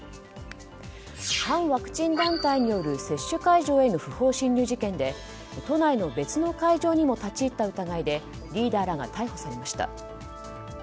反ワクチン団体による接種会場への不法侵入事件で都内の別の会場にも立ち入った疑いでリーダーらが逮捕されました。